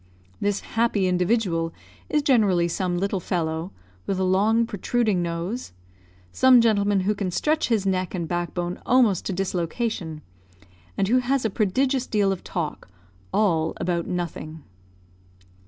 This happy individual is generally some little fellow, with a long, protruding nose; some gentleman who can stretch his neck and backbone almost to dislocation, and who has a prodigious deal of talk, all about nothing.